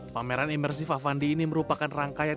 pameran imersif avandi ini merupakan rangkaian